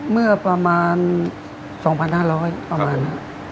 เมื่อประมาณ๒๕๐๐ประมาณนั้น